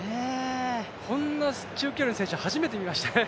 こんな中距離の選手初めて見ましたね。